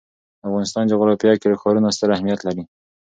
د افغانستان جغرافیه کې ښارونه ستر اهمیت لري.